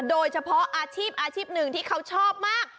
โดยเฉพาะอาชีพอาชีพหนึ่งที่เขาชอบมาก